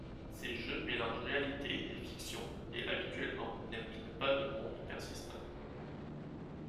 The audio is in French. Ces jeux mélangent réalité et fiction et habituellement n'impliquent pas de monde persistant.